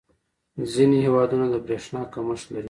• ځینې هېوادونه د برېښنا کمښت لري.